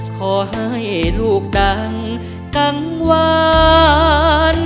ขอให้ลูกดังกังวาน